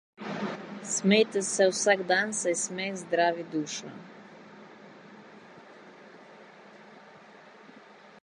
Smejte se vsak dan, saj smeh zdravi dušo.